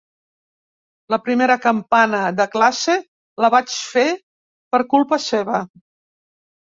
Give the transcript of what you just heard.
La primera campana de classe la vaig fer per culpa seva.